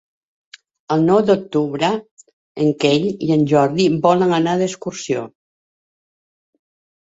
El nou d'octubre en Quel i en Jordi volen anar d'excursió.